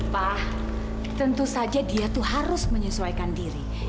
pak tentu saja dia tuh harus menyesuaikan diri